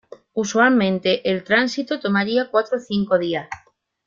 Usualmente el tránsito tomaría cuatro o cinco días.